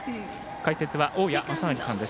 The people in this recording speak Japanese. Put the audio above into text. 解説は大矢正成さんです。